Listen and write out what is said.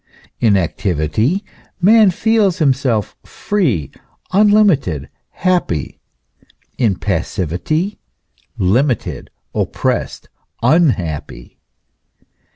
In activity, man feels himself free, unlimited, happy ; in pas sivity, limited, oppressed, unhappy.